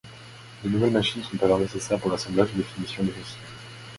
De nouvelles machines sont alors nécessaires pour l’assemblage et les finitions de ceux-ci.